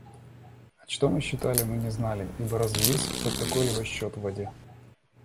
А что считали, мы не знали, ибо разве есть какой-либо счет в воде?